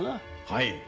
はい。